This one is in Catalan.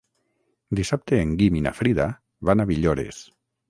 Dissabte en Guim i na Frida van a Villores.